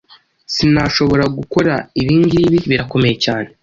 Sinashobora gukora ibingibi, birakomeye cyane.